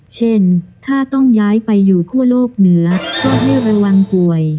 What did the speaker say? เช่นถ้าต้องย้ายไปอยู่คั่วโลกเหนือก็ให้ระวังป่วย